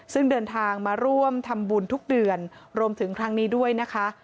ซึ่งเดินทางมาร่วมทำบุญทุกเดือนรวมถึงครั้งนี้ด้วยนะคะ